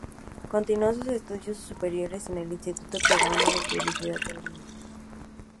Continuó sus estudios superiores en el Instituto Peruano de Publicidad en Lima.